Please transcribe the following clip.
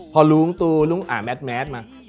พอลุงตูลุงอ่าแมทมา